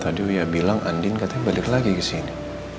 tadi ouya bilang andin katanya balik lagi kesini